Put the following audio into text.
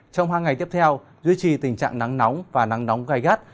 trong hai ngày tiếp theo duy trì tình trạng nắng nóng và nắng nóng gai gắt